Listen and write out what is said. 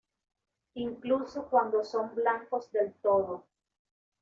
Incluso cuando son blancos del todo.